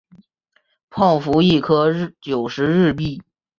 泡芙一颗九十日币